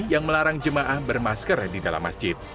yang melarang jemaah bermasker di dalam masjid